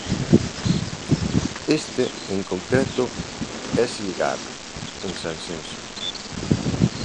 Este, en concreto, é Silgar, en Sanxenxo.